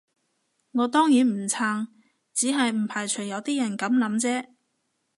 我當然唔撐，只係唔排除有啲人噉諗啫